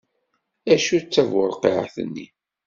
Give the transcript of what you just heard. Acu d taburqiεt-nni?